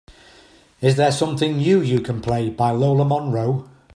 is there something new you can play by Lola Monroe